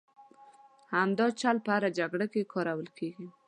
همدا چل په هرې جګړې کې کارول کېږي.